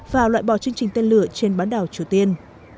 và loại bỏ chương trình tên lửa trên bán đảo triều tiên